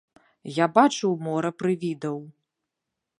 Я бачыў мора прывідаў.